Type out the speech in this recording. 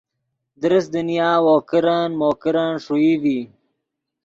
درست دنیا وو کرن مو کرن ݰوئی ڤی